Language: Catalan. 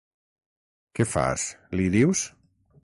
Què fas, l'hi dius?